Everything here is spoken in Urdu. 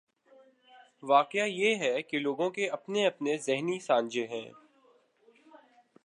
واقعہ یہ ہے کہ لوگوں کے اپنے اپنے ذہنی سانچے ہیں۔